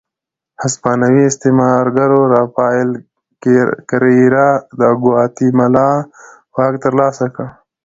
هسپانوي استعمارګرو رافایل کېریرا د ګواتیمالا واک ترلاسه کړ.